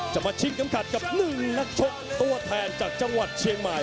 จะมาชิงเข็มขัดกับ๑นักชกตัวแทนจากจังหวัดเชียงใหม่